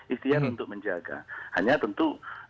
ikhtiar untuk menjaga hanya tentu